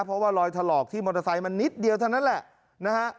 เพราะว่ารอยถลอกที่มอเตอร์ไซค์มันนิดเดียวเท่านั้นแหละนะฮะ